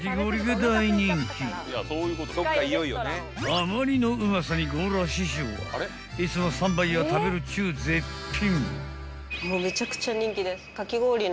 ［あまりのうまさにゴーラー師匠はいつも３杯は食べるっちゅう絶品］